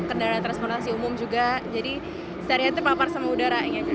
kendaraan transportasi umum juga jadi seriatik lapar sama udara